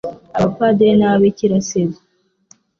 abapadiri n'ababikira se bo